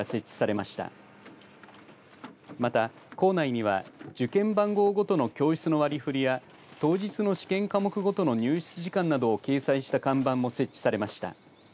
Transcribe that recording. また、校内には受験番号ごとの教室の割り振りや当日の試験科目ごとの入室時刻などを掲載した看板も設置されました。